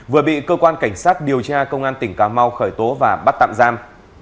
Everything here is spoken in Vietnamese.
vừa bị cơ quan cảnh sát điều tra công an tỉnh cà mau khởi tố và bắt tạm giam